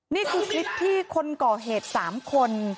นี่คือคลิปที่คนก่อเหตุ๓คน